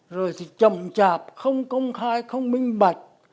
rồi thì trồng chạp không công khai không minh bạch